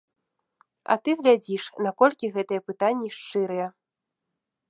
А ты глядзіш, наколькі гэтыя пытанні шчырыя.